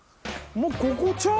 もうここちゃう？